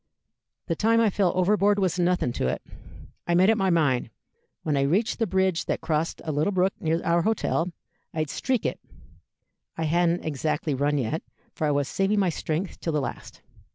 The time I fell overboard was nothing to it. I made up my mind, when I reached the bridge that crossed a little brook near our hotel, I'd streak it (I hadn't exactly run yet, for I was saving my strength till the last).